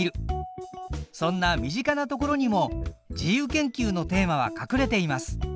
そんな身近なところにも自由研究のテーマはかくれています。